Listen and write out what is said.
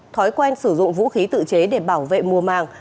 thói quen sử dụng vũ khí tự chế để bảo vệ mùa màng